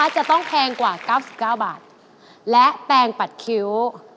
จะต้องแพงกว่า๙๙บาทและแปลงปัดคิ้ว